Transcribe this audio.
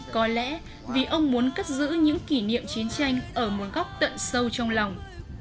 có lẽ vì ông muốn cất giữ những kỷ niệm chiến tranh ở một góc tận sâu trong lòng